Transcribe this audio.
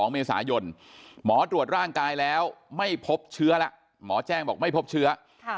๒เมษายนหมอตรวจร่างกายแล้วไม่พบเชื้อแล้วหมอแจ้งบอกไม่พบเชื้อ